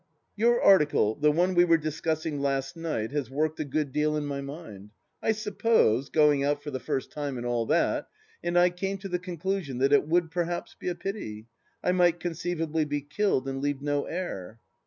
... Your article, the one we were discussing last night, has worked a good deal in my mind. ... I suppose ... going out for the first time and all that. ... And I came to the conclusion that it would perhaps be a pity ... I might conceivably be killed and leave no heir.